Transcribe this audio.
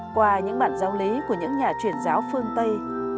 qua những bạn giáo lý của những nhà truyền giáo phương tây